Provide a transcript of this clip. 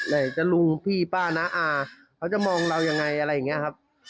อยากจะลุงพี่ป้าน้าอาเขาจะมองเรายังไงอะไรอย่างนี้ครับ